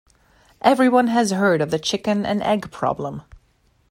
Everyone has heard of the chicken and egg problem.